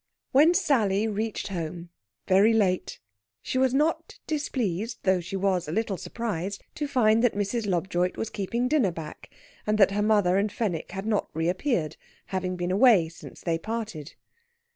When Sally reached home, very late, she was not displeased, though she was a little surprised, to find that Mrs. Lobjoit was keeping dinner back, and that her mother and Fenwick had not reappeared, having been away since they parted.